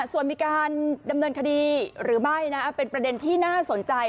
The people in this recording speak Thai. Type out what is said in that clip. ส่วนมีการดำเนินคดีหรือไม่นะเป็นประเด็นที่น่าสนใจ